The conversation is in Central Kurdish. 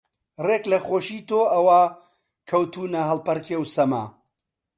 ڕێک لە خۆشی تۆ ئەوا کەوتوونە هەڵپەڕکێ و سەما